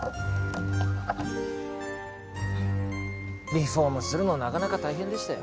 リフォームするのなかなか大変でしたよ。